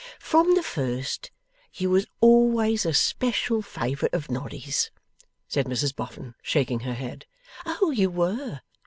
'From the first, you was always a special favourite of Noddy's,' said Mrs Boffin, shaking her head. 'O you were!